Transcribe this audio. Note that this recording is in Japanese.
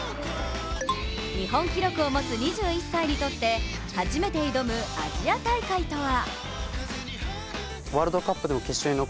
日本記録を持つ２１歳にとって初めて挑むアジア大会とは？